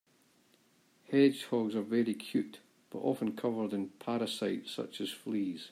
Hedgehogs are very cute but often covered in parasites such as fleas.